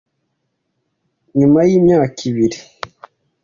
Nyuma y’imyaka ibiri ,